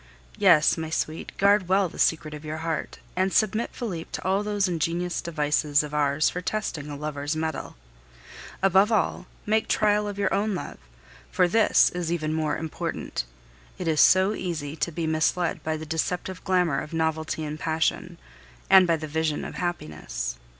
Yes, my sweet, guard well the secret of your heart, and submit Felipe to those ingenious devices of ours for testing a lover's metal. Above all, make trial of your own love, for this is even more important. It is so easy to be misled by the deceptive glamour of novelty and passion, and by the vision of happiness.